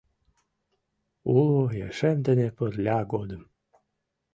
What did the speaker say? Уло ешем дене пырля годым.